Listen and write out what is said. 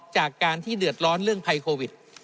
จากการที่เดือดร้อนเรื่องภัยโควิด